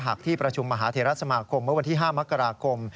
หากที่ประชุมมหาเทราสมาคมเมื่อวันที่๕มกราคม